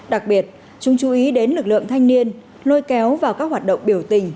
đặc biệt chúng chú ý đến lực lượng thanh niên lôi kéo vào các hoạt động biểu tình